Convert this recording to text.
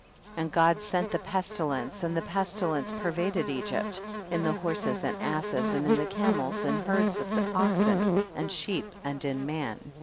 24. And God sent the pestilence, and the pestilence pervaded Egypt, in the horses and asses, and in the camels, in herds of oxen and sheep and in man.